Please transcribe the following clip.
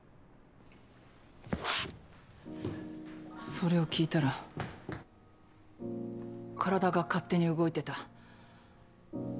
それを聞いたら体が勝手に動いてた。